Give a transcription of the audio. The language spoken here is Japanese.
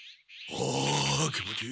あ気持ちいい。